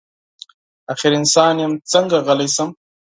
اخر انسان یم څنګه غلی شمه.